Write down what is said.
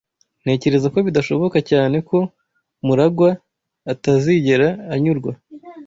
Ntekereza ko bidashoboka cyane ko MuragwA atazigera anyurwa.